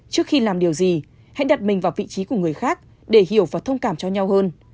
trước khi làm điều gì hãy đặt mình vào vị trí của người khác để hiểu và thông cảm cho nhau hơn